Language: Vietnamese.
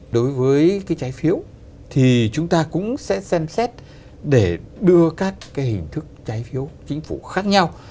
đối với cái trái phiếu thì chúng ta cũng sẽ xem xét để đưa các cái hình thức trái phiếu chính phủ khác nhau